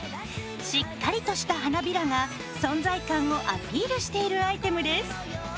しっかりとした花びらが存在感をアピールしているアイテムです。